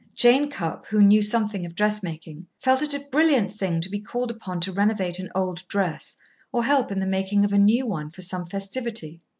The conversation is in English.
Jane Cupp who knew something of dressmaking felt it a brilliant thing to be called upon to renovate an old dress or help in the making of a new one for some festivity.